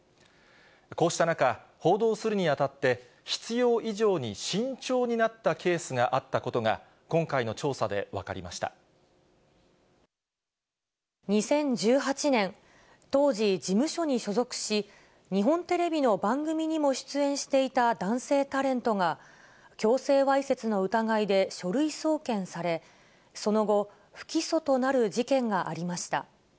こうした中、報道するにあたって、必要以上に慎重になったケースがあったことが、今回の調査で分か２０１８年、当時、事務所に所属し、日本テレビの番組にも出演していた男性タレントが、強制わいせつの疑いで書類送検され、その後、不起訴となる事件がありました。